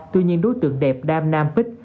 tuy nhiên đối tượng đẹp đam nam pích